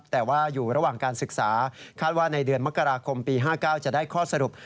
แต่ว่าอยู่ระหว่างการศึกษาคาดว่าในเดือนมกราคมปี๕๙จะได้ข้อสรุป